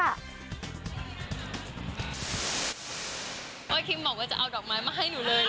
มาบอกคิมว่าจะเอาดอกไม้มาให้หนูเลยหรอ